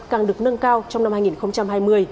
càng được nâng cao trong năm hai nghìn hai mươi